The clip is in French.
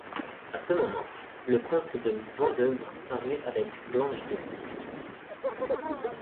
A ce moment, le comte de Vandeuvres parut avec Blanche de Sivry.